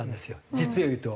実を言うと。